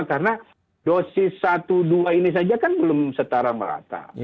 karena dosis satu dua ini saja kan belum setara merata